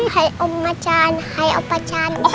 hai oma chan hai opa chan